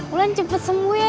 ulan cepet sembuh ya